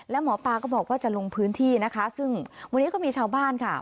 และหมอปลาก็บอกว่าจะลงพื้นที่นะคะซึ่งวันนี้ก็มีชาวบ้านค่ะ